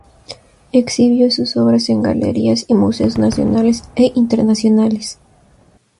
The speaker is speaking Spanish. Exhibió sus obras en galerías y museos nacionales e internacionales.